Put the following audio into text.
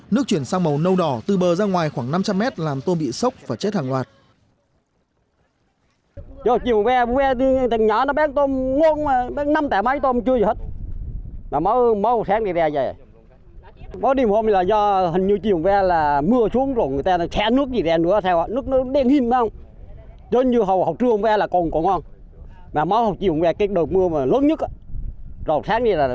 nước chuyển sang màu nâu đỏ từ bờ ra ngoài khoảng năm trăm linh mét làm tôm bị sốc và chết hàng loạt